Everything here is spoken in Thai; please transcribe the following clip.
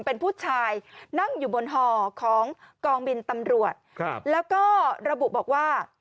เป็นผู้ชายนั่งอยู่บนห่อของกองบินตำรวจครับแล้วก็ระบุบอกว่า